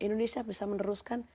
indonesia bisa meneruskan